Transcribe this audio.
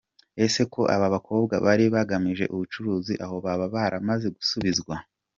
Ese ko aba bakobwa bari bagamije ubucuruzi aho baba baramaze gusubizwa?.